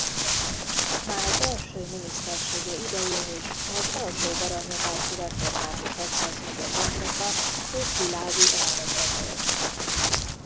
Már első minisztersége idején is az alsó-baranya-bácsi református egyházmegye gondnoka és világi elnöke volt.